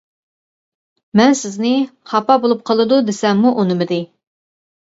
مەن سىزنى خاپا بولۇپ قالىدۇ دېسەممۇ ئۇنىمىدى.